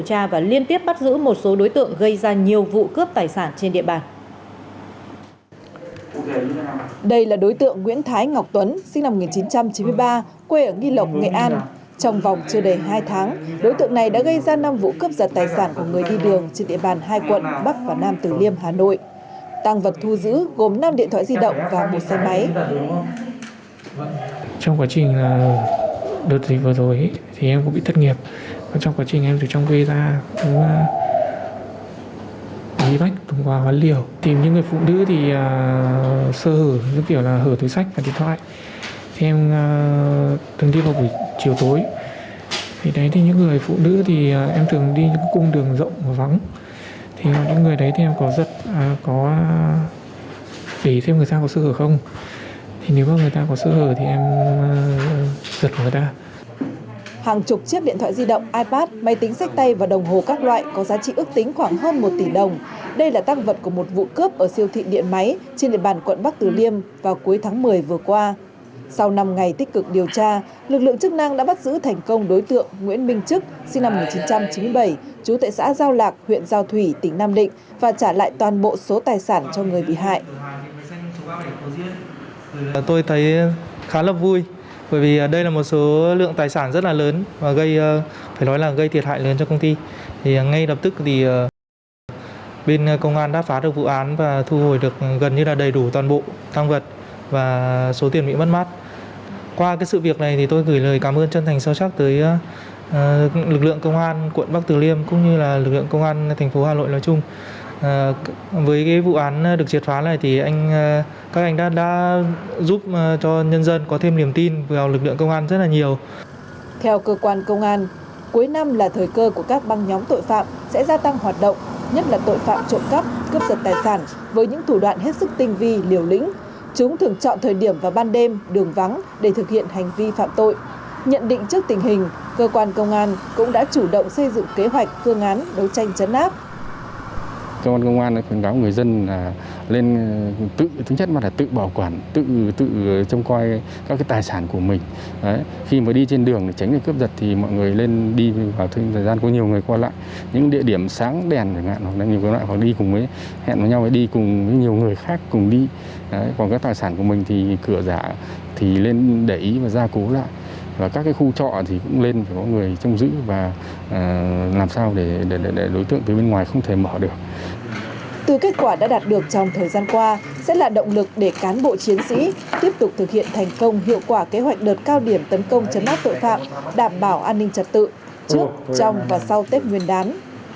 chiến sĩ tiếp tục thực hiện thành công hiệu quả kế hoạch đợt cao điểm tấn công chấn mắc tội phạm đảm bảo an ninh trật tự trước trong và sau tết nguyên đán